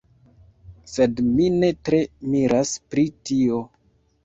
Sed mi ne tre miras pri tio.